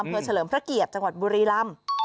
อำเภอเฉลิมพระเกียจจังหวัดบุรีรำ